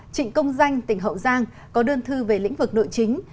trịnh công danh tỉnh hậu giang có đơn thư về lĩnh vực nội chính